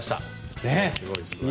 すごいです。